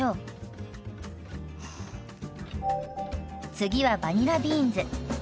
次はバニラビーンズ。